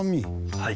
はい。